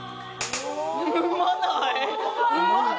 うまない？